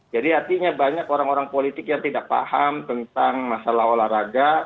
artinya banyak orang orang politik yang tidak paham tentang masalah olahraga